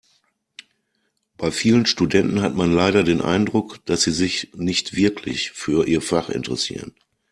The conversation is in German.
Bei vielen Studenten hat man leider den Eindruck, dass sie sich nicht wirklich für ihr Fach interessieren.